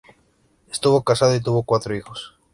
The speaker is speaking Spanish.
Estuvo casado y tuvo cuatro hijos.